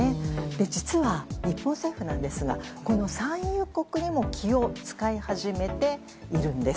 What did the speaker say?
実は、日本政府ですがこの産油国にも気を使い始めているんです。